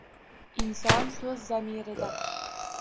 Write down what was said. Inson soʼzi zamirida